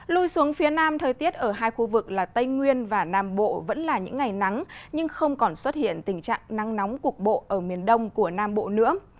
lui xuống phía nam thời tiết ở hai khu vực là tây nguyên và nam bộ vẫn là những ngày nắng nhưng không còn xuất hiện tình trạng nắng nóng cục bộ ở miền đông của nam bộ nữa